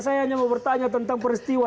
saya hanya mau bertanya tentang peristiwa